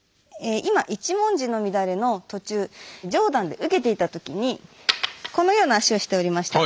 今「一文字の乱」の途中上段で受けていた時にこのような足をしておりました。